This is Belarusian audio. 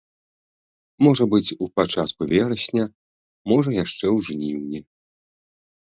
Можа быць, у пачатку верасня, можа яшчэ ў жніўні.